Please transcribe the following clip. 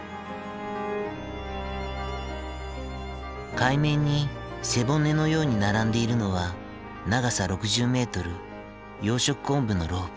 海面に背骨のように並んでいるのは長さ６０メートル養殖コンブのロープ。